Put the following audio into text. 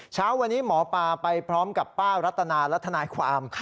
เช้าวันนี้หมอปลาไปพร้อมกับป้ารัตนาและทนายความ